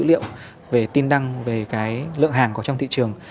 với những dữ liệu về tin đăng về cái lượng hàng có trong thị trường